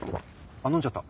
あっ飲んじゃった。